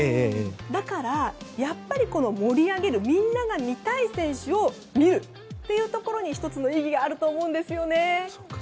だからやっぱり盛り上げるみんなが見たい選手を見るというところに１つの意義があると思うんですよね。